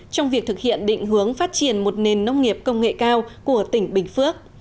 trong việc thực hiện định hướng phát triển một nền nông nghiệp công nghệ cao của tỉnh bình phước